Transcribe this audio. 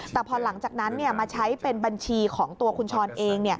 แต่พอหลังจากนั้นมาใช้เป็นบัญชีของตัวคุณช้อนเอง